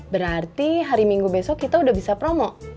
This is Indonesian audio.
berarti hari minggu besok kita udah bisa promo